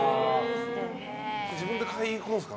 自分で買いに行くんですか？